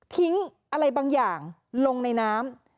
อะไรบางอย่างลงในน้ำ